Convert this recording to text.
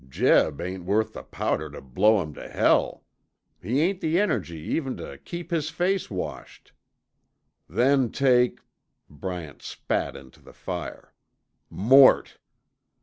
Jeb ain't worth the powder tuh blow him tuh hell; he ain't the energy even tuh keep his face washed. Then take " Bryant spat into the fire " Mort!"